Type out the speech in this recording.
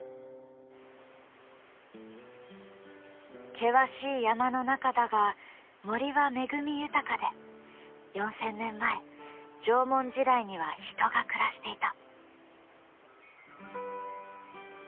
険しい山の中だが森は恵み豊かで４，０００年前縄文時代にはヒトが暮らしていた。